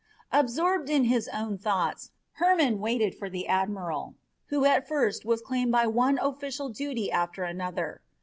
Absorbed in his own thoughts, Hermon waited for the admiral, who at first was claimed by one official duty after another.